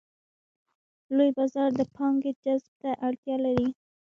لوی بازار د پانګې جذب ته اړتیا لري.